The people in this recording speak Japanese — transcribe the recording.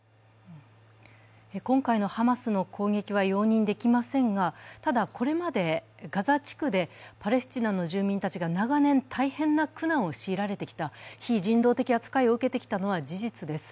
今回のハマスの攻撃は容認できませんが、ただ、これまでガザ地区でパレスチナの住民たちが長年大変な苦難を強いられてきた、非人道的扱いを受けてきたのは事実です。